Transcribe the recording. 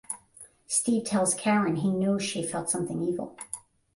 Steve tells Karen he knows she felt something evil.